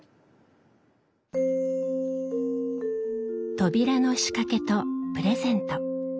扉の仕掛けとプレゼント。